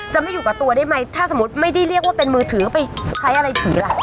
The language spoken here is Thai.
ไม่อยู่กับตัวได้ไหมถ้าสมมุติไม่ได้เรียกว่าเป็นมือถือไปใช้อะไรถือล่ะ